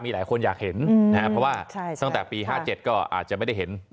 หลายคนอยากเห็นนะครับเพราะว่าตั้งแต่ปี๕๗ก็อาจจะไม่ได้เห็น